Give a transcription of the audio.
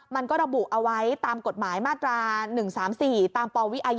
มันก็ระบุเอาไว้ตามกฎหมายมาตรา๑๓๔ตามปวิอายุ